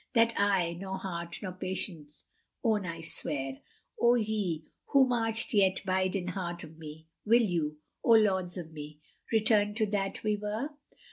* That I nor heart nor patience own I swear! O ye, who marched yet bide in heart of me, * Will you, O lords of me, return to that we were?